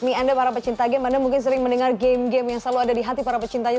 ini anda para pecinta game anda mungkin sering mendengar game game yang selalu ada di hati para pecintanya